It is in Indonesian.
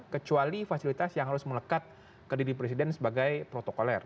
kecuali fasilitas yang harus melekat ke diri presiden sebagai protokoler